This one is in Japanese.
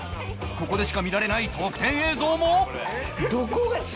ここでしか見られない特典映像も